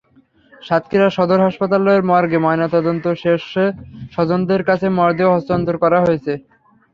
সাতক্ষীরা সদর হাসপাতালের মর্গে ময়নাতদন্ত শেষে স্বজনদের কাছে মরদেহ হস্তান্তর করা হয়েছে।